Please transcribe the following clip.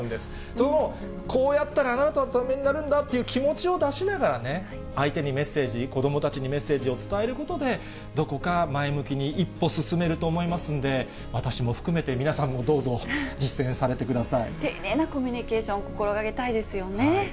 その、こうやったらあなたのためになるんだっていう気持ちを出しながらね、相手にメッセージ、子どもたちにメッセージを伝えることで、どこか前向きに一歩進めると思いますんで、私も含めて皆さんもどうぞ、丁寧なコミュニケーションを心がけたいですよね。